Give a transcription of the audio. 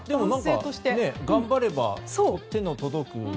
頑張れば手の届く。